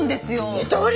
二刀流！？